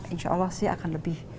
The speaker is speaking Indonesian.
insya allah sih akan lebih